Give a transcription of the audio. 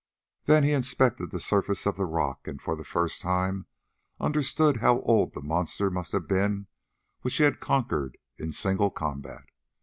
Then he inspected the surface of the rock, and for the first time understood how old that monster must have been which he had conquered in single combat.